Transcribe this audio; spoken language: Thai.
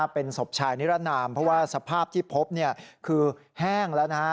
เป็นศพชายนิรนามเพราะว่าสภาพที่พบคือแห้งแล้วนะฮะ